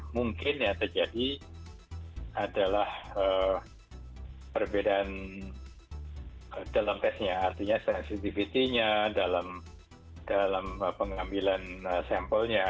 mungkin yang terjadi adalah perbedaan dalam testnya artinya sensitivitenya dalam pengambilan sampelnya